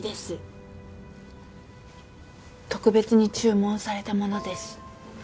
特別に注文されたものです。